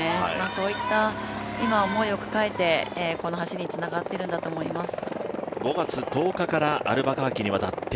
そういった今思いを抱えて、この走りにつながっているんだと思います。